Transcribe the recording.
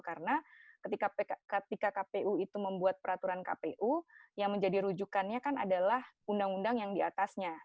karena ketika kpu itu membuat peraturan kpu yang menjadi rujukannya kan adalah undang undang yang diatasnya